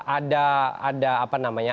ada yang menjawab keprihatinan